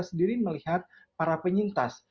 sendiri melihat para penyintas